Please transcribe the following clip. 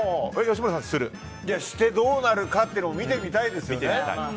してどうなるかというのを見てみたいですよね。